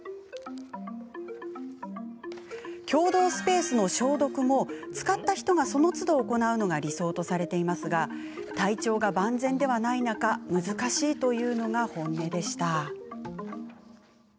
共同スペースの消毒も使った人がそのつど行うのが理想とされていますが体調が万全ではない中難しいというのが本音でした。